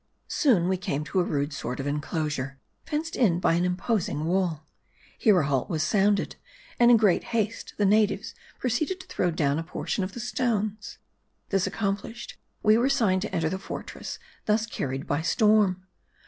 Soon we came to a rude sort of inclosure, fenced in by an imposing wall. Here a halt was sounded, and in great haste the natives proceeded to throw down a portion of the stones: This accomplished, we were signed to enter the fortress thus carried by storm.